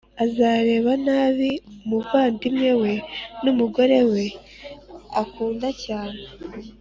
azareba nabi umuvandimwe we n’umugore we akunda cyane